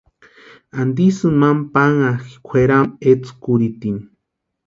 ¿Antisï imani panhakʼi kwʼeramu etskurhitini?